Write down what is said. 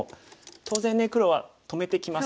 当然ね黒は止めてきます。